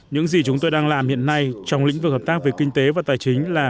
những gì chúng tôi đang làm hiện nay trong lĩnh vực hợp tác về kinh tế và tài chính là